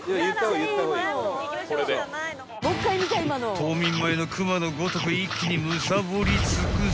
［冬眠前の熊のごとく一気にむさぼり尽くす］